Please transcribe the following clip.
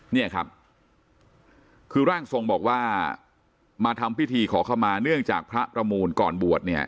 เนี่ยครับคือร่างทรงบอกว่ามาทำพิธีขอเข้ามาเนื่องจากพระประมูลก่อนบวชเนี่ย